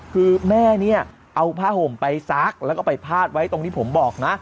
คือแม่เนี่ยเอาผ้าห่มไปซักแล้วก็ไปพาดไว้ตรงที่ผมบอกนะ